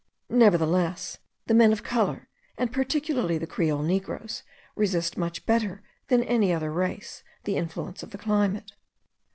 Nevertheless, the men of colour, and particularly the Creole negroes, resist much better than any other race, the influence of the climate.